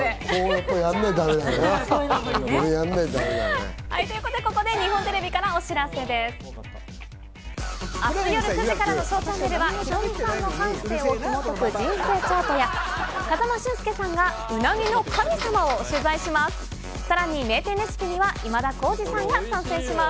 明日夜９時からの『ＳＨＯＷチャンネル』はヒロミさんの半生をひも解く人生チャートや、風間俊介さんがうなぎの神様を取材します。